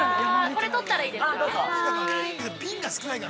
これ、取ったらいいですか。